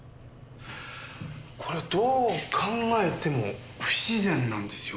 これどう考えても不自然なんですよ。